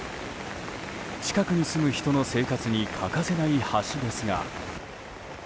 近くに住む人の生活に欠かせない橋ですが。